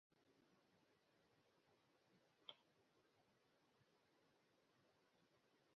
এই কর্তৃপক্ষকে আমেরিকান খাদ্য এবং ড্রাগ প্রশাসন-এর মতো করে তৈরি করা হয়েছে।